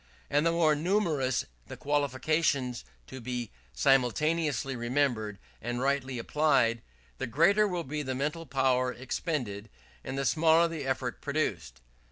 And the more numerous the qualifications to be simultaneously remembered and rightly applied, the greater will be the mental power expended, and the smaller the effect produced.